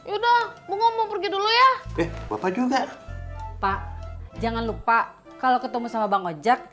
udah mau pergi dulu ya bapak juga pak jangan lupa kalau ketemu sama bang ojek